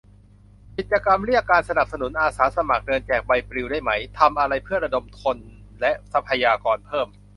กิจกรรมเรียกการสนับสนุน อาสาสมัครเดินแจกใบปลิวได้ไหม ทำอะไรเพื่อระดมคนและทรัพยากรเพิ่ม